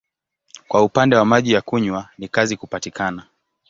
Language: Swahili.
Kwa upande wa maji ya kunywa ni kazi kupatikana.